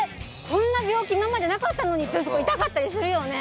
こんな病気今までなかったのにってところ痛かったりするよね？